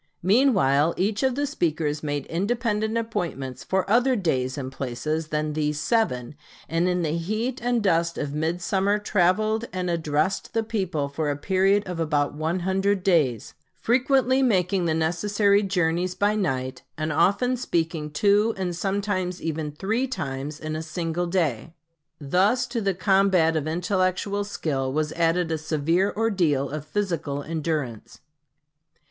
Meanwhile each of the speakers made independent appointments for other days and places than these seven; and in the heat and dust of midsummer traveled and addressed the people for a period of about one hundred days, frequently making the necessary journeys by night, and often speaking two and sometimes even three times in a single day. Thus to the combat of intellectual skill was added a severe ordeal of physical endurance.